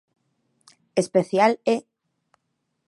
Especial é.